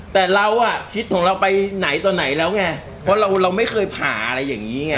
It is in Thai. แต่เราอ่ะคิดของเราไปไหนต่อไหนแล้วไงเพราะเราไม่เคยผ่าอะไรอย่างนี้ไง